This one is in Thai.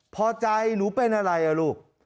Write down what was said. พอใจหนูเป็นอะไรอ่ะลูก